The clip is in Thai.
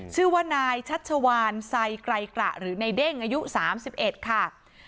ชื่อว่านายชัชวานไซไกรกระหรือในเด้งอายุ๓๑ค่ะ